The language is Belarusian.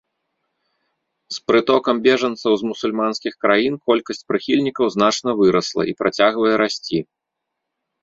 З прытокам бежанцаў з мусульманскіх краін колькасць прыхільнікаў значна вырасла і працягвае расці.